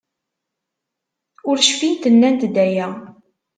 Ur cfint nnant-d aya.